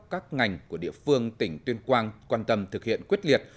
các ngành của địa phương tỉnh tuyên quang quan tâm thực hiện quyết liệt